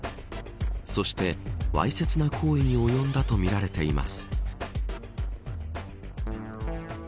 そして、わいせつな行為に及んだとみられています。